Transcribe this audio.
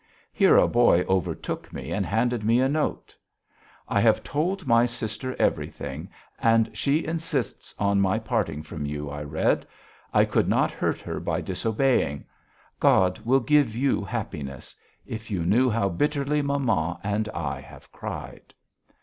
Here a boy overtook me and handed me a note: "I have told my sister everything and she insists on my parting from you," I read. "I could not hurt her by disobeying. God will give you happiness. If you knew how bitterly mamma and I have cried."